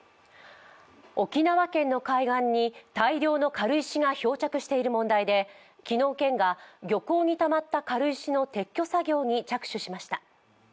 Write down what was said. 沖縄県の海岸に大量の軽石が漂着している問題で昨日、県が漁港にたまった軽石の撤去作業に着手しました。